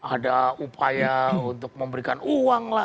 ada upaya untuk memberikan uang lah